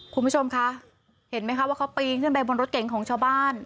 คุณผู้ชมคะเห็นไหมคะว่าเขาปีนขึ้นไปบนรถเก๋งของชาวบ้าน